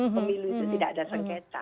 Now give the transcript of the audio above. pemilu itu tidak ada sengketa